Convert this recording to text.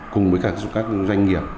cùng với các doanh nghiệp